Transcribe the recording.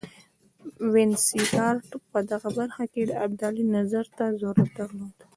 وینسیټارټ په دغه برخه کې د ابدالي نظر ته ضرورت درلود.